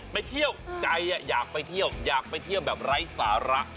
ไปเที่ยวใจอยากไปเที่ยวอยากไปเที่ยวแบบไร้สาระ